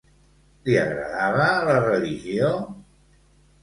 Li agradava la religió?